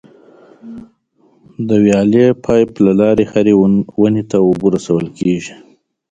د ویالې یا پایپ له لارې هرې ونې ته اوبه رسول کېږي.